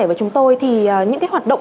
với chúng tôi thì những cái hoạt động